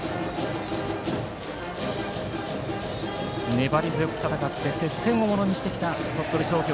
粘り強く戦って接戦をものにしてきた鳥取商業。